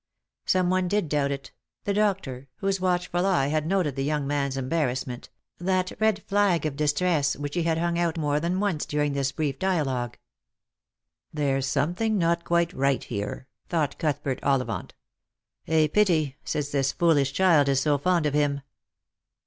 Some one did doubt it — the doctor, whose watchful eye had noted the young man's embarrassment, that red flag of distress which he had hung out more than once during this brief dia logue. " There's something not quite right here," thought Cuthbert Ollivant. " A pity, since this foolish child is so fond of him."